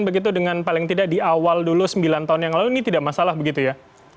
begitu dengan paling tidak di awal dulu sembilan tahun yang lalu ini tidak masalah begitu ya